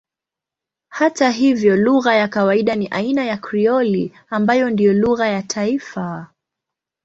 Hata hivyo lugha ya kawaida ni aina ya Krioli ambayo ndiyo lugha ya taifa.